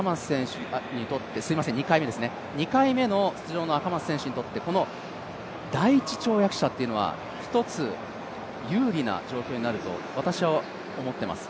２回目の出場の赤松選手にとって第１跳躍者というのは１つ、有利な状況になると私は思っています。